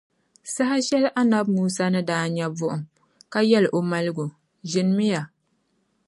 Saha shεli Annabi Musa ni daa nya buɣum, ka yεli o maligu, ʒinimi ya.